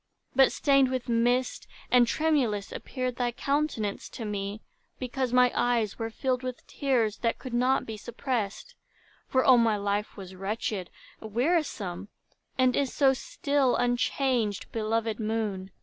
But stained with mist, and tremulous, appeared Thy countenance to me, because my eyes Were filled with tears, that could not be suppressed; For, oh, my life was wretched, wearisome, And is so still, unchanged, belovèd moon!